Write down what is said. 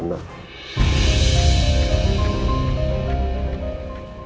menalahkan rap tersebut